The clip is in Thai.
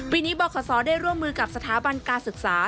ปีนี้บขศได้ร่วมมือกับสถาบันการศึกษา